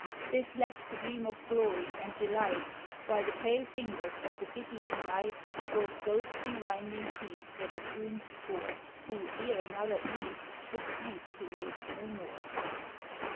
They slept to dream of glory and delight, While the pale fingers of the pitying night Wove ghostly winding sheets for that doomed score Who, ere another eve, should sleep to wake no more.